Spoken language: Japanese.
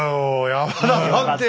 山田探偵